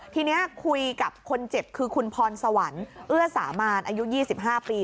ทีนี้คุยกับคนเจ็บคือคุณพรสวรรค์เอื้อสามานอายุ๒๕ปี